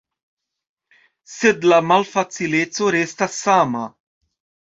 Sed la malfacileco restas sama.